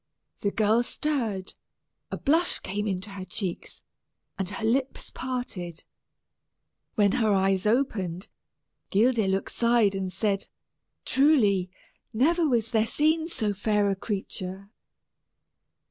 The girl stirred, a blush came into her cheeks, and her lips parted. When her eyes opened, Guildeluec sighed and said, "Truly, never was there seen so fair a creature."